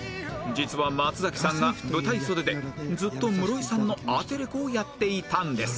実は松崎さんが舞台袖でずっと室井さんのアテレコをやっていたんです